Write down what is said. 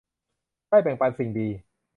ได้แบ่งปันสิ่งดี